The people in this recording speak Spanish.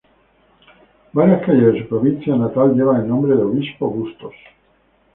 Varias calles de su provincia natal llevan el nombre del Obispo Bustos.